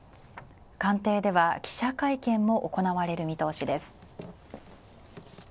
鑑定では記者会見も行われる見通しです。